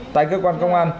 tại cơ quan công an